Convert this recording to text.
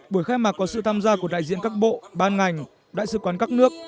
buổi khai mạc có sự tham gia của đại diện các bộ ban ngành đại sứ quán các nước